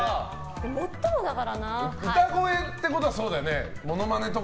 歌声ってことはそうか。